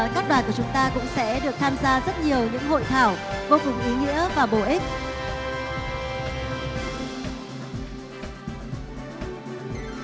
các đoàn của chúng ta cũng sẽ được tham gia rất nhiều những hội thảo vô cùng ý nghĩa và bổ ích